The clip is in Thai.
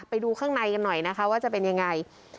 ไปดูข้างในกันหน่อยนะคะว่าจะเป็นยังไง